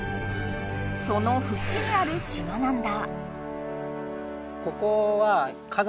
そのふちにある島なんだ。